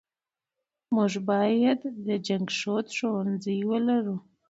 موږ بايد د جنګښود ښوونځی ولرو .